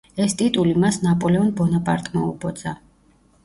ეს ტიტული მას ნაპოლეონ ბონაპარტმა უბოძა.